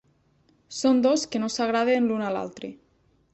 Són dos que no s'agraden l'un a l'altre.